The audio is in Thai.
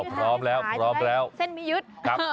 พร้อมแล้วพร้อมแล้วเส้นมิยุทธ